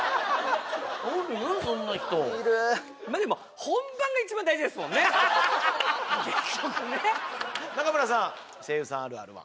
そんな人いる結局ね中村さん声優さんあるあるは？